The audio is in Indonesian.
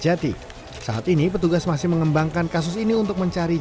ketiga tersangka yang tewas yakni gun am dan ia